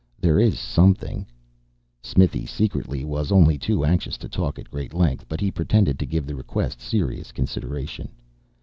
There is something " Smithy, secretly, was only too anxious to talk at great length. But he pretended to give the request serious consideration.